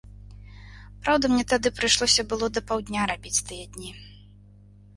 Праўда, мне тады прыйшлося было да паўдня рабіць тыя дні.